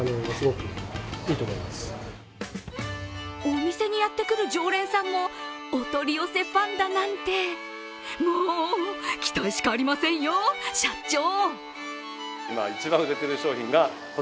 お店にやってくる常連さんも、お取り寄せファンだなんてもう期待しかありませんよ、社長！